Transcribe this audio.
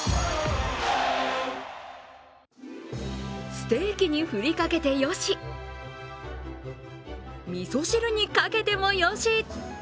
ステーキに振りかけてよし、みそ汁にかけてもよし。